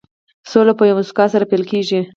سوله په یوې موسکا سره پيل کېږي.